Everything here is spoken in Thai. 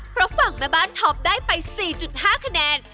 เพราะฝั่งแม่บ้านท็อปได้ไป๔๕คะแนน